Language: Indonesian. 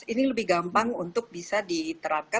ini lebih gampang untuk bisa diterapkan